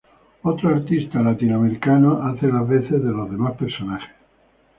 Otros artistas latinoamericanos hacen las voces de los demás personajes.